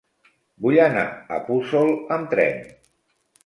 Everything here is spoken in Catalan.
Vull anar a Puçol amb tren.